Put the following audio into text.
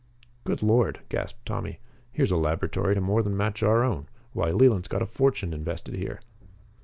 "Good Lord!" gasped Tommy. "Here's a laboratory to more than match our own. Why, Leland's got a fortune invested here!"